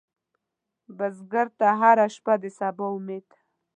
بزګر ته هره شپه د سبا امید ده